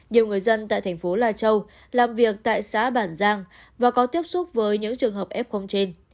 nhiều người dân tại thành phố lai châu làm việc tại xã bản giang và có tiếp xúc với những trường hợp f trên